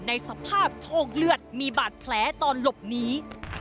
ในสภาพโชคเลือดมีบาดแผลตอนหลบหนี